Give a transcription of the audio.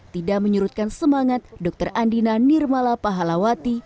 tidak menyurutkan semangat dr andina nirmala pahalawati